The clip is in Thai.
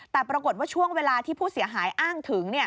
แต่ปรากฏว่าช่วงเวลาที่ผู้เสียหายอ้างถึง